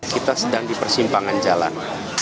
kita sedang di persimpangan jalan